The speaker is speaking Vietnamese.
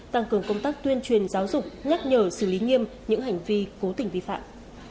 tăng cường công tác tuyên truyền giáo dục nhắc nhở xử lý nghiêm những hành vi cố tình vi phạm